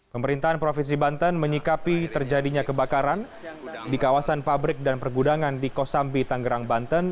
pemerintahan provinsi banten menyikapi terjadinya kebakaran di kawasan pabrik dan pergudangan di kosambi tanggerang banten